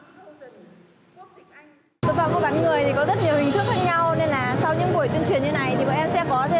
tội phạm mua bán người có rất nhiều hình thức khác nhau